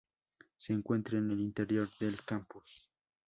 Se encuentra en el interior del campus.